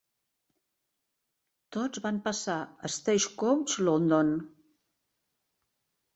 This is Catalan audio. Tots van passar a Stagecoach London.